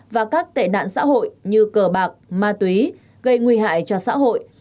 và các tệ nạn xã hội như cờ bạc ma túy gây nguy hại cho xã hội